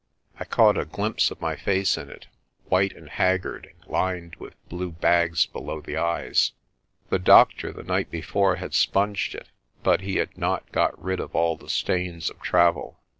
I caught a glimpse of my face in it, white and haggard and lined with blue bags below the eyes. The doctor the night before had sponged it but he had not got rid of all the stains of travel.